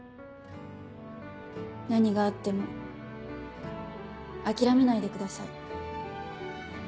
何があっても諦めないでください。